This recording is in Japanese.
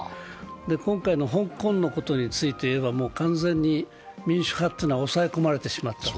今回の香港のことについて言えば、完全に民主化は押さえ込まれてしまったと。